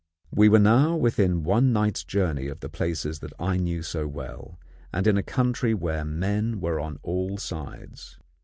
We were now within one night's journey of the places that I knew so well, and in a country where men were on all sides.